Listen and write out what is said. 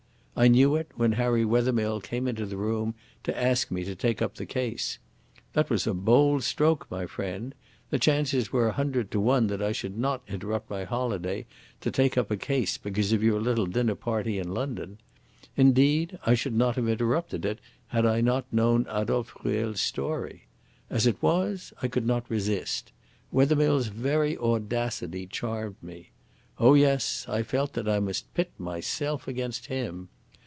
I knew it when Harry Wethermill came into the room to ask me to take up the case. That was a bold stroke, my friend. The chances were a hundred to one that I should not interrupt my holiday to take up a case because of your little dinner party in London. Indeed, I should not have interrupted it had I not known Adolphe Ruel's story. As it was I could not resist. Wethermill's very audacity charmed me. Oh yes, I felt that I must pit myself against him.